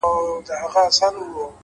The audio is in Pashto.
هوډ د سختیو په منځ کې ولاړ وي،